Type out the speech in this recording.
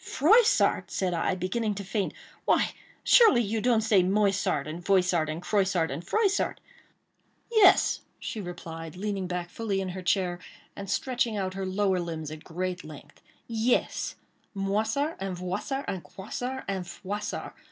"Froissart!" said I, beginning to faint, "why, surely you don't say Moissart, and Voissart, and Croissart, and Froissart?" "Yes," she replied, leaning fully back in her chair, and stretching out her lower limbs at great length; "yes, Moissart, and Voissart, and Croissart, and Froissart.